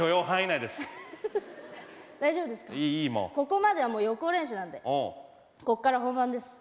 ここまでは予行練習なんでこっから本番です。